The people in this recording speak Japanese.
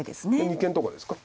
二間とかですか？